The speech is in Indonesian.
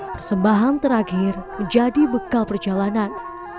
persembahan terakhir menjadi bekal perjalanan